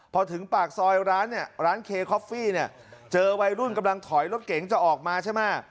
พอถึงปากซอยร้านเนี่ยร้านเคคอฟฟี่เนี่ยเจอวัยรุ่นกำลังถอยรถเก๋งจะออกมาใช่ไหม